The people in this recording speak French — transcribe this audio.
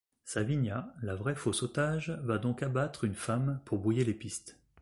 Savinia, la vraie fausse otage, va donc abattre une femme pour brouiller les pistes.